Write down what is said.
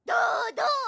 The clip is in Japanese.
どう？